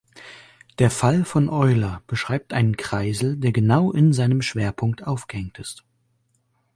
Der Fall von Euler beschreibt einen Kreisel, der genau in seinem Schwerpunkt aufgehängt ist.